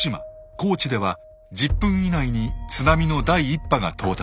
高知では１０分以内に津波の第１波が到達。